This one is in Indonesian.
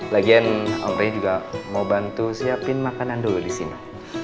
lagian amri juga mau bantu siapin makanan dulu di sini